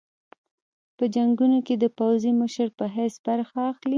په جنګونو کې د پوځي مشر په حیث برخه اخلي.